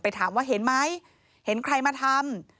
ถามว่าเห็นไหมเห็นใครมาทำ